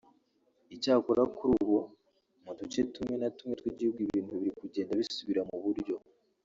Icyakora kuri ubu mu duce tumwe na tumwe tw’igihugu ibintu biri kugenda bisubira mu buryo